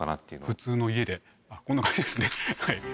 普通の家でこんな感じですね。